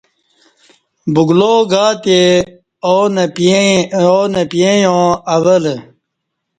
بُگلاو گاتے آو نہ پییے یاں اوہ لہ